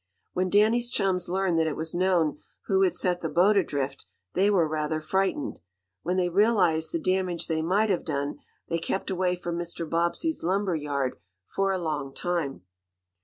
When Danny's chums learned that it was known who had set the boat adrift, they were rather frightened. When they realized the damage they might have done, they kept away from Mr. Bobbsey's lumber yard for a long time.